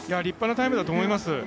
立派なタイムだと思います。